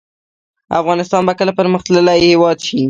افغانستان به کله پرمختللی هیواد شي؟